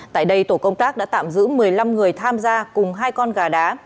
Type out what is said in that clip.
tại đây tổ công tác đã tạm giữ một mươi năm người tham gia cùng hai con gà đá